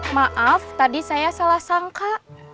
maaf tadi saya salah sangka